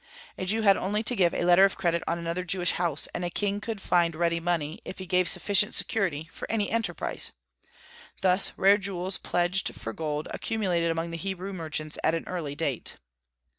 A Jew had only to give a letter of credit on another Jewish house, and a king could find ready money, if he gave sufficient security, for any enterprise. Thus rare jewels pledged for gold accumulated among the Hebrew merchants at an early date.